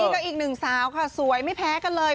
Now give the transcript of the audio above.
กับอีกหนึ่งสาวค่ะสวยไม่แพ้กันเลย